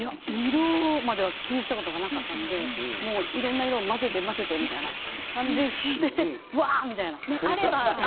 色までは気にしたことがなかったのでいろいろな色を混ぜて混ぜてうわあ！みたいな。